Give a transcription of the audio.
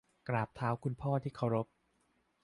กราบเท้าคุณพ่อที่เคารพ